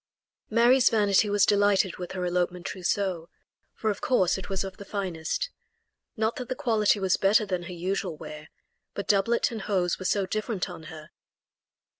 Mary's vanity was delighted with her elopement trousseau, for of course it was of the finest. Not that the quality was better than her usual wear, but doublet and hose were so different on her.